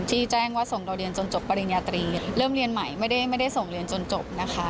แจ้งว่าส่งเราเรียนจนจบปริญญาตรีเริ่มเรียนใหม่ไม่ได้ส่งเรียนจนจบนะคะ